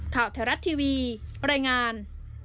ข่าวแถวรัดทีวีรายงาน